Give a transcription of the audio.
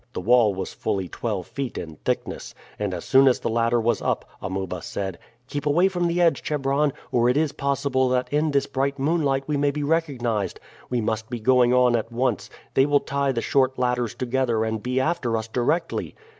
The wall was fully twelve feet in thickness, and as soon as the ladder was up Amuba said: "Keep away from the edge, Chebron, or it is possible that in this bright moonlight we may be recognized. We must be going on at once. They will tie the short ladders together and be after us directly."